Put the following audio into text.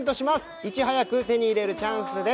いち早く手に入れるチャンスです。